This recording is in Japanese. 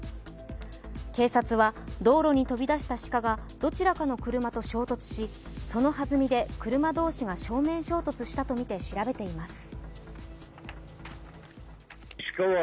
警察は、道路に飛び出した鹿がどちらかの車と衝突し、そのはずみで、車同士が正面衝突したとみて調べています。